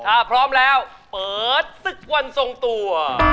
ถ้าพร้อมแล้วเปิดศึกวันทรงตัว